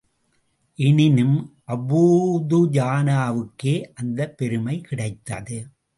எனினும், அபூ துஜானாவுக்கே அந்தப் பெருமை கிடைத்தது.